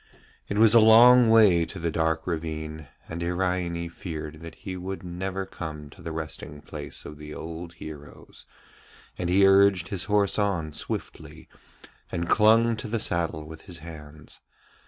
It was a long way to the dark ravine, and Iraine feared that he would never come to the resting place of the old heroes, and he urged his horse on swiftly, and clung to the saddle with his hands.